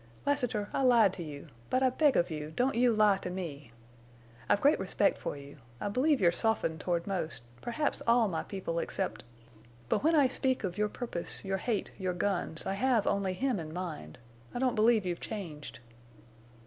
"Lassiter, I lied to you. But I beg of you—don't you lie to me. I've great respect for you. I believe you're softened toward most, perhaps all, my people except—But when I speak of your purpose, your hate, your guns, I have only him in mind. I don't believe you've changed."